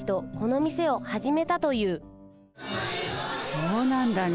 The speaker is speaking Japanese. そうなんだね